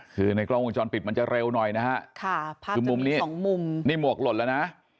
คือในกล้องวงจรปิดมันจะเร็วหน่อยนะฮะค่ะภาพคือมุมนี้สองมุมนี่หมวกหล่นแล้วนะ